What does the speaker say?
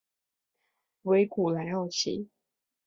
维古莱奥齐。